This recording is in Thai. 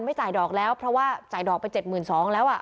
ไม่จ่ายดอกแล้วเพราะว่าจ่ายดอกไปเจ็ดหมื่นสองแล้วอ่ะ